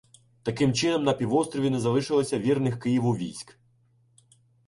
Таким чином, на півострові не залишилося вірних Києву військ.